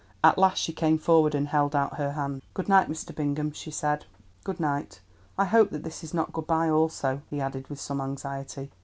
At last she came forward and held out her hand. "Good night, Mr. Bingham," she said. "Good night. I hope that this is not good bye also," he added with some anxiety.